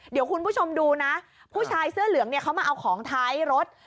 เดี๋ยวคุณผู้ชมดูนะผู้ชายเสื้อเหลืองเนี่ยเขามาเอาของท้ายรถ